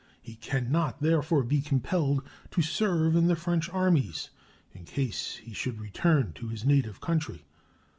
He can not therefore be compelled to serve in the French armies in case he should return to his native country.